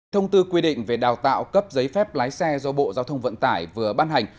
thông tư quy định về đào tạo cấp giấy phép lái xe do bộ giao thông vận tải vừa ban hành